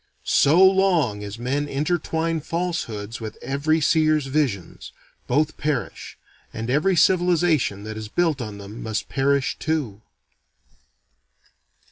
So long as men interwine falsehoods with every seer's visions, both perish, and every civilization that is built on them must perish too.